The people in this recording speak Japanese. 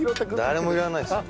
誰も拾わないですよ。